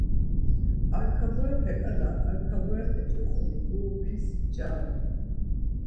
Arkaburepe ǩala Arkaburepe coxoni gurubis p̌ç̌arum.